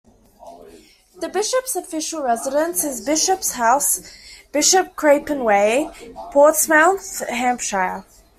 The bishop's official residence is Bishop's House, Bishop Crispian Way, Portsmouth, Hampshire.